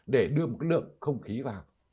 để đưa một lượng không khí vào